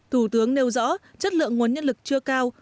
thủ tướng nêu rõ chất lượng nguồn nhân lực chưa cao